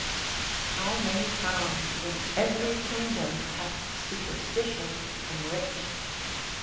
How many towns in every kingdom hath superstition enriched?